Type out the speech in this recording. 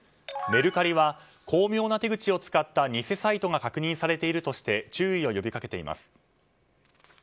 メルカリは巧妙な手口を使った偽サイトが確認されているとして注意を呼び掛けています。